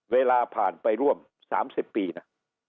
เวลาผ่านไปร่วม๓๐ปีนะ